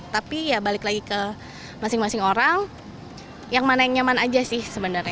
tapi ya balik lagi ke masing masing orang yang mana yang nyaman aja sih sebenarnya